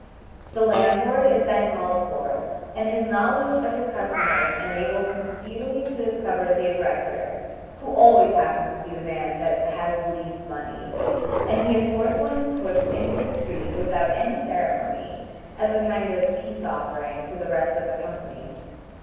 The landlord is then called for, and his knowledge of his customers enables him speedily to discover the aggressor, who always happens to be the man that has the least money, and he is forthwith pushed into the street without any ceremony, as a kind of peace offering to the rest of the company.